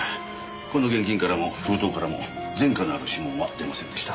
この現金からも封筒からも前科のある指紋は出ませんでした。